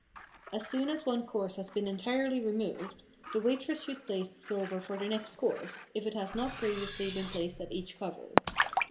As soon as one course has been entirely removed, the waitress should place the silver for the next course, if it has not previously been placed at each cover.